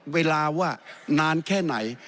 เวลาว่านานแค่ไหน